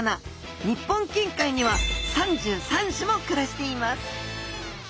日本近海には３３種も暮らしています。